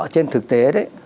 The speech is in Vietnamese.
trên thực tế